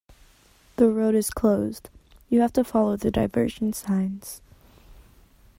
The road is closed. You have to follow the diversion signs